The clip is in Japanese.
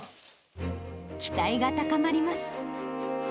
期待が高まります。